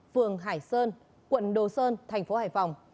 phường hải sơn quận đồ sơn thành phố hải phòng